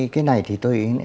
cái này thì tôi